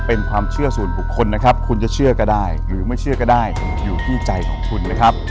เป็นความเชื่อส่วนบุคคลนะครับคุณจะเชื่อก็ได้หรือไม่เชื่อก็ได้อยู่ที่ใจของคุณนะครับ